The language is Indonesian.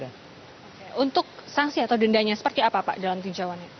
untuk sanksi atau dendanya seperti apa pak dalam tinjauannya